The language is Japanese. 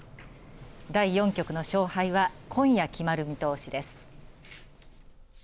第４局の勝敗は今夜決まる見通しです。